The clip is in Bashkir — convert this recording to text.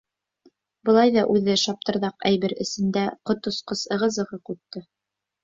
Былай ҙа үҙе шаптырҙаҡ әйбер эсендә ҡот осҡос ығы-зығы ҡупты.